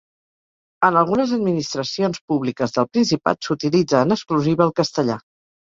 En algunes administracions públiques del Principat s'utilitza en exclusiva el castellà